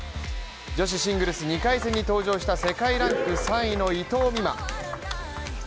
女子シングルス２回戦に登場した世界ランク３位の伊藤美誠。